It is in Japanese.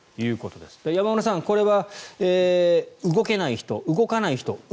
山村さん、これは動けない人動かない人